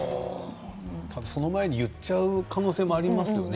ただ、その前に言っちゃう可能性もありますよね。